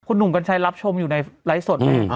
คุณหนุ่มกัญชัยรับชมอยู่ในไลฟ์สด